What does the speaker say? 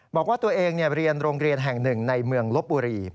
บอกว่าตัวเองเรียนโรงเรียนแห่งหนึ่งในเมืองลบบุรี